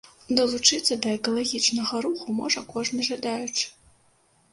Далучыцца да экалагічнага руху можа кожны жадаючы.